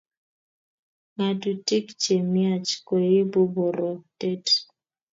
Ngatutik chemiach koibu borotet